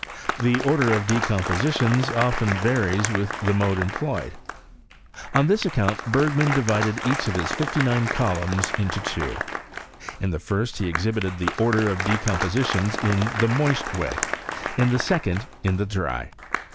The order of decompositions often varies with the mode employed.' On this account, Bergman divided each of his fifty nine columns into two. In the first, he exhibited the order of decompositions in the moist way, in the second in the dry.